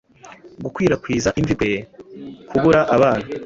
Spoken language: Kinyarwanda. Gukwirakwiza imvi kwe, kubura abana